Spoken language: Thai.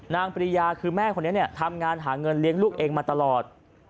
ปริยาคือแม่คนนี้ทำงานหาเงินเลี้ยงลูกเองมาตลอด